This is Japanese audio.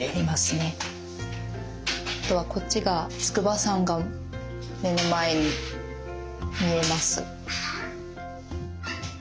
あとはこっちが筑波山が目の前に見えます。